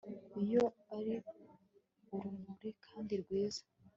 Iyo ari urumuri kandi rwiza